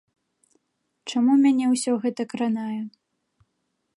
Чаму мяне ўсё гэта кранае?